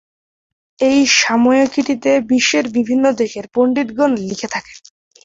এ সাময়িকীটিতে বিশ্বের বিভিন্ন দেশের পন্ডিতগণ লিখে থাকেন।